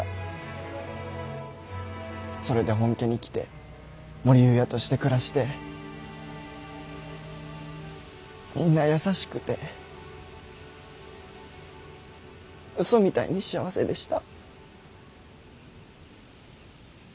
それで本家に来て母里由也として暮らしてみんな優しくてうそみたいに幸せでした。